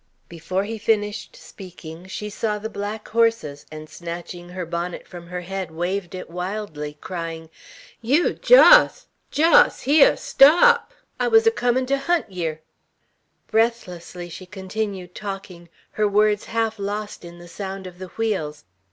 Before he finished speaking, she saw the black horses, and snatching her bonnet from her head waved it wildly, crying, "Yeow Jos! Jos, hyar! Stop! I wuz er comin' ter hunt yer!" Breathlessly she continued talking, her words half lost in the sound of the wheels.